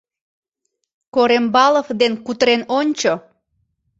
Корембалов ден кутырен ончо...